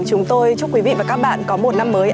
chúng tôi chúc quý vị và các bạn có một năm mới